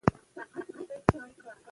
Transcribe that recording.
په ميان کي لږ ځان هوسا کوه!